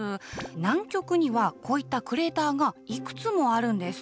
南極にはこういったクレーターがいくつもあるんです。